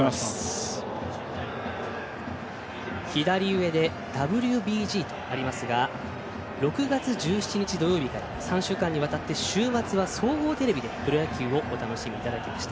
左上でＷＢＧとありますが６月１７日土曜日から３週間にわたって週末は総合テレビでプロ野球をお楽しみいただきました。